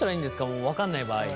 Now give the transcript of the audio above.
もう分かんない場合。